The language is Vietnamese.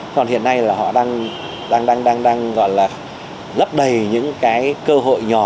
còn hiện nay là họ đang gọi là lấp đầy những cái cơ hội nhỏ